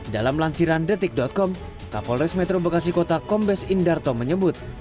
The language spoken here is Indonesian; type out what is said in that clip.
dalam lansiran detik com kapolres metro bekasi kota kombes indarto menyebut